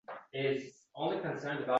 himoyasiz ayolga kuchi yetgan nomardlar